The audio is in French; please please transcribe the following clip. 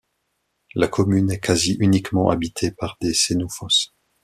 La commune est quasi-uniquement habitée par des Sénoufos.